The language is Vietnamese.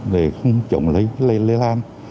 để không trộm lấy lây lan